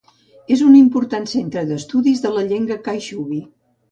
És un important centre d'estudis de la llengua caixubi.